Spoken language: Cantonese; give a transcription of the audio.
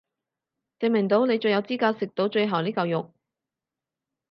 證明到你最有資格食到最後呢嚿肉